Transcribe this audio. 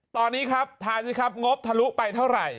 ตอนนี้ครับทานสิครับงบทะลุไปเท่าไหร่